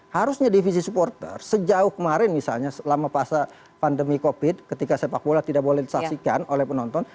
harusnya divisi supporter sejauh kemarin misalnya selama masa pandemi covid ketika sepak bola tidak boleh disaksikan oleh penonton